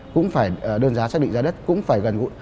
cũng phải đơn giá xác định giá đất cũng phải gần gũi